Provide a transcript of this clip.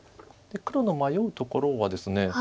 黒の迷うところはですね